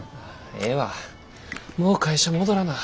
ええわもう会社戻らな。